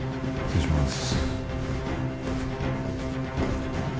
失礼します。